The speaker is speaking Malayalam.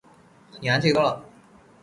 ഞാന് ചെയ്തോളാം